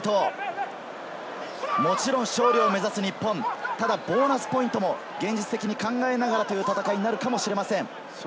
もちろん勝利を目指す日本、ただボーナスポイントも現実的に考えながらという戦いになるかもしれません。